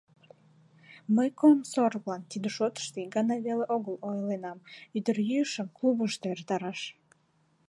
— Мый комсорглан тиде шотышто ик гана веле огыл ойленам: ӱдырйӱышым клубышто эртараш!